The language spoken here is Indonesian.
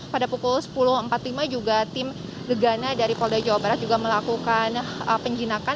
pada pukul sepuluh empat puluh lima juga tim gegana dari polda jawa barat juga melakukan penjinakan